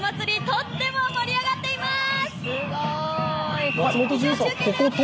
とっても盛り上がっています！